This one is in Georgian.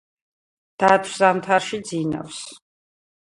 დათვს ზამთარში ძინავს